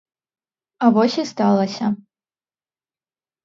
А вось і сталася.